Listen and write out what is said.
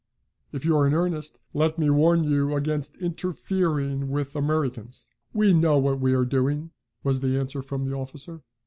If you're in earnest, let me warn you against interfering with Americans!" "We know what we are doing," was the answer from the officer.